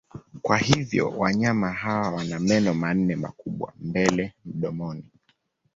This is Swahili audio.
Kwa hivyo wanyama hawa wana meno manne makubwa mbele mdomoni.